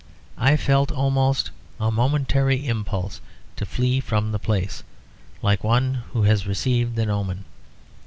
I felt almost a momentary impulse to flee from the place, like one who has received an omen.